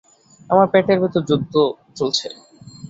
আমার পেটের ভেতর যুদ্ধ চলছে।